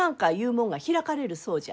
もんが開かれるそうじゃ。